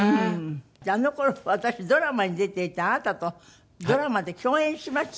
あの頃私ドラマに出ていてあなたとドラマで共演しました。